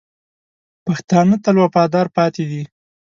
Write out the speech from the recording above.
پښتانه تل وفادار پاتې دي.